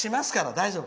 大丈夫！